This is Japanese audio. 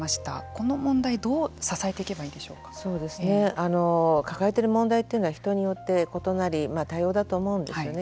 この問題、どう支えていけば抱えている問題というのは人によって異なり、多様だと思うんですよね。